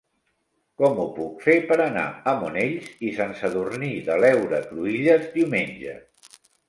Com ho puc fer per anar a Monells i Sant Sadurní de l'Heura Cruïlles diumenge?